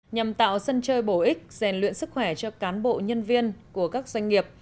nhằm tạo sân chơi bổ ích rèn luyện sức khỏe cho cán bộ nhân viên của các doanh nghiệp